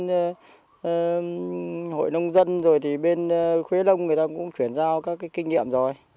và hội nông dân rồi thì bên khuế long người ta cũng chuyển giao các kinh nghiệm rồi